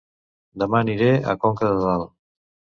Dema aniré a Conca de Dalt